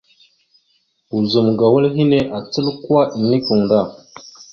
Ozum ga wal henne acal kwa enekweŋ da.